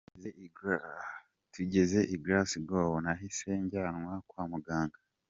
Tugeze i Glas¬gow nahise njyanwa kwa muganga.